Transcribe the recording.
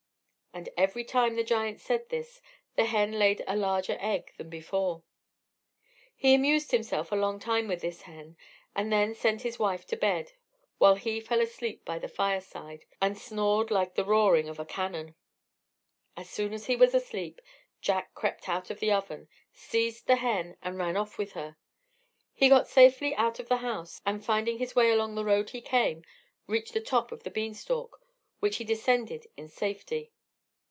and every time the giant said this the hen laid a larger egg than before. He amused himself a long time with his hen, and then sent his wife to bed, while he fell asleep by the fireside, and snored like the roaring of cannon. As soon as he was asleep, Jack crept out of the oven, seized the hen, and ran off with her. He got safely out of the house, and finding his way along the road he came, reached the top of the bean stalk, which he descended in safety.